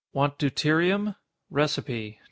Want deuterium? Recipe: To 1.